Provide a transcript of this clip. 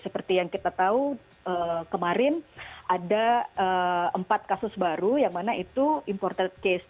seperti yang kita tahu kemarin ada empat kasus baru yang mana itu imported case